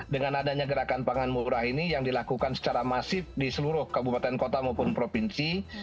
dengan adanya gerakan pangan murah ini yang dilakukan secara masif di seluruh kabupaten kota maupun provinsi